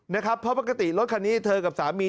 เพราะปกติรถคันนี้เธอกับสามี